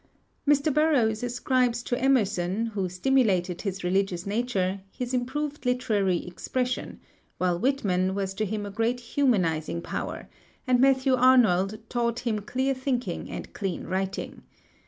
Mr. Burroughs ascribes to Emerson, who stimulated his religious nature, his improved literary expression; while Whitman was to him a great humanizing power, and Matthew Arnold taught him clear thinking and clean writing.